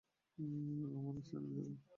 আমরা রাস্তায় নেমে যাবো!